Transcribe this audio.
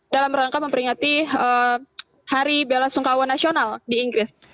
dalam rangka memperingati hari bela sungkawa nasional di inggris